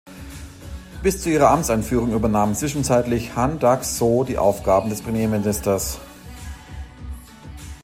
Bis zu ihrer Amtseinführung übernahm zwischenzeitlich Han Duck-soo die Aufgaben des Premierministers.